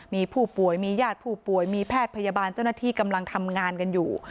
มีผู้ป่วยมีญาติผู้ป่วยมีแพทย์พยาบาลเจ้าหน้าที่กำลังทำงานกันอยู่